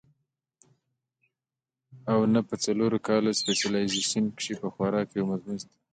او نۀ پۀ څلور کاله سپېشلائزېشن کښې پۀ خوراک يو مضمون شته